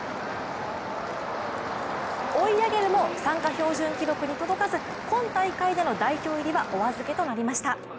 追い上げるも参加標準記録に届かず今大会での代表入りはお預けとなりました。